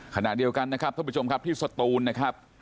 ขณะเดียวกันท่านผู้ชมที่สตูนนะครับ